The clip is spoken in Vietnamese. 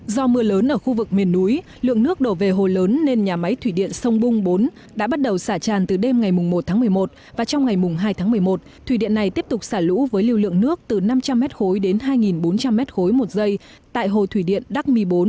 do mưa lớn ở khu vực miền núi lượng nước đổ về hồ lớn nên nhà máy thủy điện sông bung bốn đã bắt đầu xả tràn từ đêm ngày một tháng một mươi một và trong ngày hai tháng một mươi một thủy điện này tiếp tục xả lũ với lưu lượng nước từ năm trăm linh m khối đến hai bốn trăm linh m ba một giây tại hồ thủy điện đắc mi bốn